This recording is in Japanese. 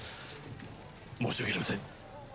申し訳ありません。